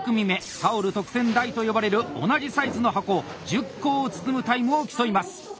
「タオル特選大」と呼ばれる同じサイズの箱１０個を包むタイムを競います。